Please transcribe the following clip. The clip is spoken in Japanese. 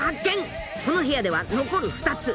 ［この部屋では残る２つ］